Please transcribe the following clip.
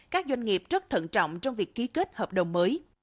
các doanh nghiệp rất thận trọng trong việc ký kết hợp đồng mới